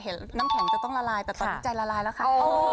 น้ำแข็งจะต้องละลายแต่ตอนนี้ใจละลายแล้วค่ะ